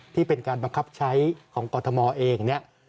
ที่เป็นการบังคับใช้ของกรทมเองเนี่ย